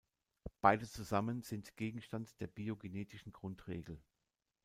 Beide zusammen sind Gegenstand der biogenetischen Grundregel.